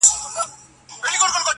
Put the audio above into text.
بې مېوې ونه څوک په ډبرو نه ولي.